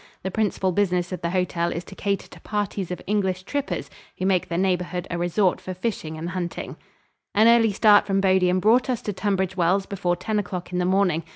The principal business of the hotel is to cater to parties of English trippers who make the neighborhood a resort for fishing and hunting. An early start from Bodiam brought us to Tunbridge Wells before ten o'clock in the morning.